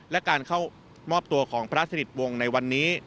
และการเข้ามอบตัวของพระสนิทวงศ์ในวันนี้